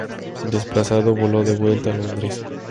Desplazado, voló de vuelta a Londres.